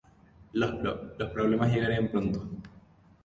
Los problemas llegarían pronto.